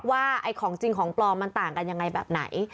ว่าไอ้ของจริงของปลอมมันต่างกันยังไงแบบไหน